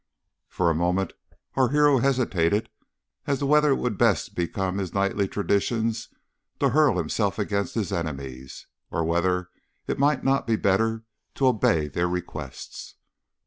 "For a moment our hero hesitated as to whether it would best become his knightly traditions to hurl himself against his enemies, or whether it might not be better to obey their requests.